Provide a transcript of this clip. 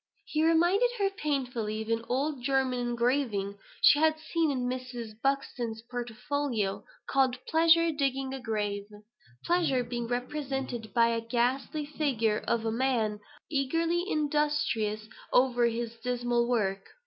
He reminded her painfully of an old German engraving she had seen in Mrs. Buxton's portfolio, called, "Pleasure digging a Grave;" Pleasure being represented by a ghastly figure of a young man, eagerly industrious over his dismal work.